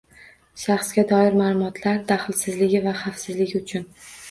Shaxsga doir ma’lumotlar daxlsizligi va xavfsizligi uchun